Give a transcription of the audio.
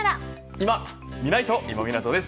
いまみないと、今湊です。